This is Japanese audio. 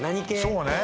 そうね